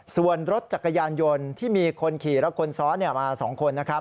ส่วนรถจักรยานยนต์ที่มีคนขี่และคนซ้อนมา๒คนนะครับ